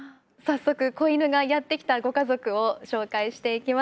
早速子犬がやって来たご家族を紹介していきます。